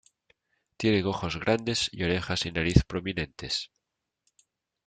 Tienen ojos grandes y orejas y nariz prominentes.